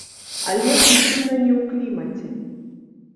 Але прычына не ў клімаце.